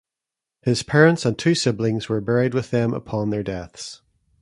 His parents and two siblings were buried with them upon their deaths.